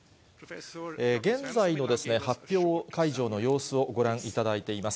現在の発表会場の様子をご覧いただいています。